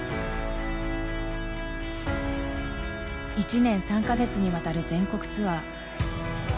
１年３か月にわたる全国ツアー。